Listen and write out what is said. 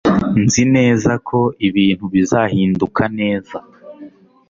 nzi neza ko ibintu bizahinduka neza